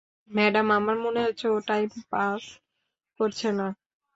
Madam, আমার মনে হচ্ছে ও টাইম পাস করছে না।